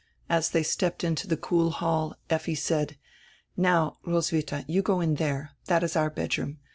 As they stepped into the cool hall * Effi said: "Now, Roswitha, you go in there. That is our bedroom.